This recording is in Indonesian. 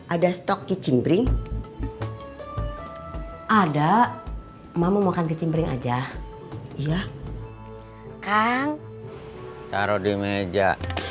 ada stok kicimbring ada mama mau makan kicimbring aja iya kang taruh di meja